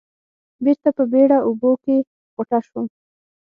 بېرته په بېړه اوبو کې غوټه شوم.